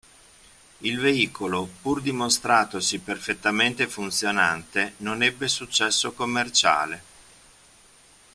Il veicolo, pur dimostratosi perfettamente funzionante, non ebbe successo commerciale.